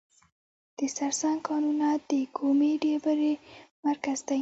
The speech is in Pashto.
د سرسنګ کانونه د کومې ډبرې مرکز دی؟